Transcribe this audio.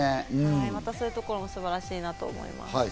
またそういうところも素晴らしいと思います。